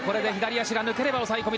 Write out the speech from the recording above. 足が抜ければ抑え込み。